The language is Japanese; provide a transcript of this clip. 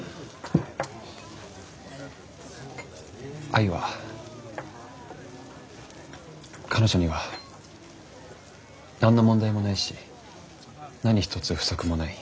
愛は彼女には何の問題もないし何一つ不足もない。